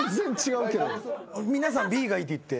皆さんＢがいいって言って。